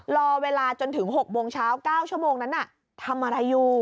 รอเวลาจนถึง๖โมงเช้า๙ชั่วโมงนั้นทำอะไรอยู่